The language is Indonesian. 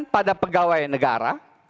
pada pegawai negara